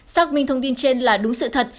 xác minh thông tin trên là đúng sự thật